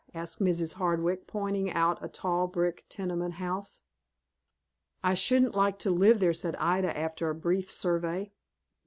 asked Mrs. Hardwick, pointing out a tall, brick tenement house. "I shouldn't like to live there," said Ida, after a brief survey.